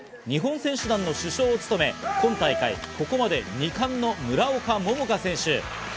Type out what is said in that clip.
日本選手団の主将を務め、今大会ここまで２冠の村岡桃佳選手。